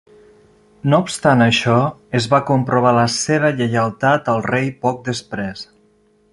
No obstant això, es va comprovar la seva lleialtat al rei poc després.